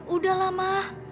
udah lah ma